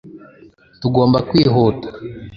tugomba kwihuta